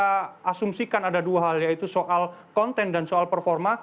kita asumsikan ada dua hal yaitu soal konten dan soal performa